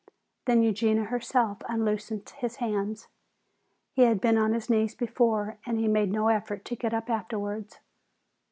Then Eugenia herself unloosed his hands. He had been on his knees before and he made no effort to get up afterwards.